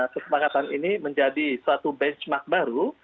kesepakatan ini menjadi suatu benchmark baru